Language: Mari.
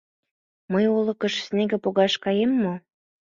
Мый олыкыш снеге погаш каем мо?